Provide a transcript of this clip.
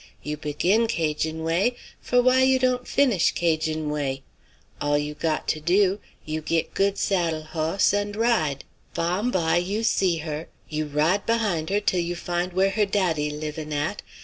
You begin 'Cajun way, for why you dawn't finish 'Cajun way? All you got do, you git good saddle hoss and ride. Bom bye you see her, you ride behind her till you find where her daddy livin' at.